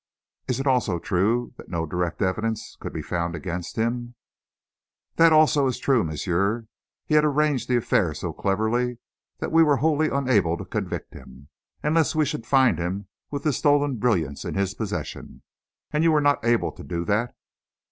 "Is it also true that no direct evidence could be found against him?" "That also is true, monsieur. He had arranged the affair so cleverly that we were wholly unable to convict him, unless we should find him with the stolen brilliants in his possession." "And you were not able to do that?"